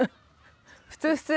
普通普通！